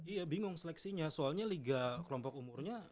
iya bingung seleksinya soalnya liga kelompok umurnya